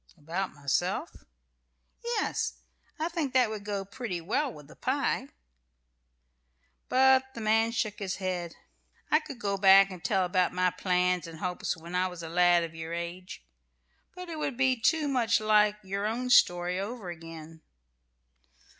"About myself?" "Yes. I think that would go pretty well with the pie." But the man shook his head. "I could go back and tell about my plans and hopes when I was a lad of your age, but it would be too much like your own story over again.